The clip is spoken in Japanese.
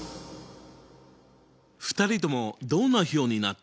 ２人ともどんな表になった？